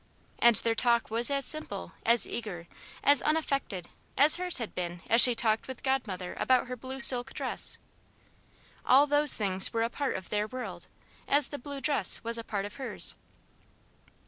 And their talk was as simple, as eager, as unaffected, as hers had been as she talked with Godmother about her blue silk dress. All those things were a part of their world, as the blue dress was a part of hers.